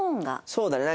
そうだね。